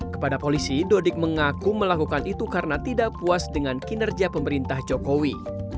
kepada polisi dodik mengaku melakukan itu karena tidak puas dengan kinerja pemerintah jokowi